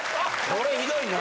これひどいな。